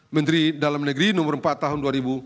menteri dalam negeri nomor empat tahun dua ribu dua